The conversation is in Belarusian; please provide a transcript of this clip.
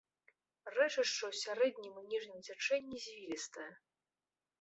Рэчышча ў сярэднім і ніжнім цячэнні звілістае.